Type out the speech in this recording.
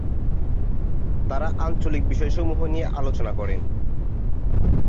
তারা আঞ্চলিক বিষয়সমূহ নিয়ে আলোচনা করেন।